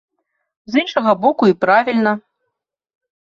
З іншага боку, і правільна.